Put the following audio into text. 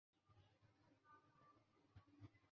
巴兰钦撞击坑是一个位于水星上的撞击坑。